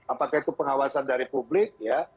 apakah itu pengawasan dari publik ya